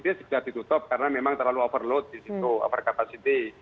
dia sudah ditutup karena memang terlalu overload di situ over capacity